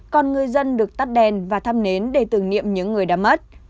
còn người dân được tắt đèn và thăm nến để tưởng niệm những người đã mất